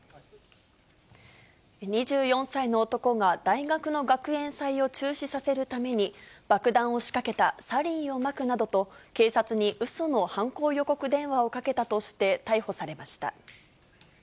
２４歳の男が、大学の学園祭を中止させるために、爆弾を仕掛けた、サリンをまくなどと、警察にうその犯行予告電話をかけたとして逮捕されました。